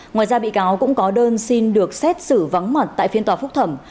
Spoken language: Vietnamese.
ngoài ra bị cáo cũng có đơn xin được xét xử vắng mặt tại phiên tòa phúc thẩm